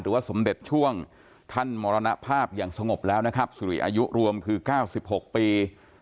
สมเด็จช่วงท่านมรณภาพอย่างสงบแล้วนะครับสุริอายุรวมคือ๙๖ปี